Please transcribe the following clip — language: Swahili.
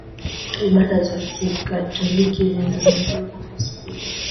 ibada za kikatoliki zilizopewa nafasi kubwa